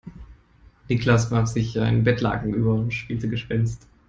Niklas warf sich ein Bettlaken über und spielte Gespenst.